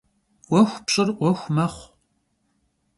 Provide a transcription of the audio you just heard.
'Uexu pş'ır 'Uexu mexhu.